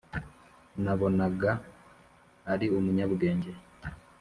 Nabonaga ari umunyabwenge,